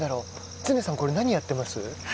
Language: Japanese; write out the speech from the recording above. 常さん、これ何をやってます？